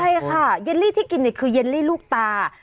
ใช่ค่ะเยลลี่ที่กินคือเยลลี่ลูกตา